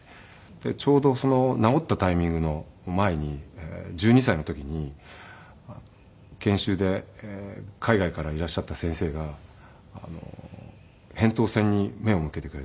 ちょうどその治ったタイミングの前に１２歳の時に研修で海外からいらっしゃった先生が扁桃腺に目を向けてくれて。